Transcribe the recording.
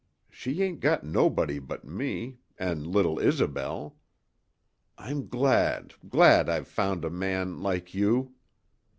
She ain't got nobody but me an' little Isobel. I'm glad glad I've found a man like you!"